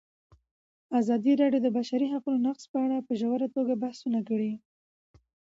ازادي راډیو د د بشري حقونو نقض په اړه په ژوره توګه بحثونه کړي.